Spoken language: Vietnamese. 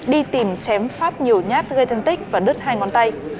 đi tìm chém phát nhiều nhát gây thân tích và đứt hai ngón tay